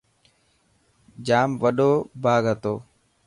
ڄام وڏو باغ هتو.